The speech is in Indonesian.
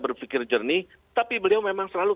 berpikir jernih tapi beliau memang selalu